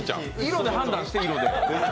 色で判断して、色で。